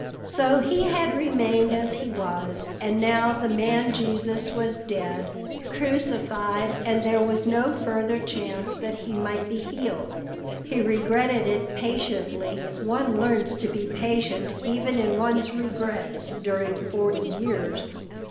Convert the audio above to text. So he had remained as he was, and now the man Jesus was dead, crucified, and there was no further chance that he might be healed. He regretted it patiently; one learns to be patient even in one's regrets during forty years.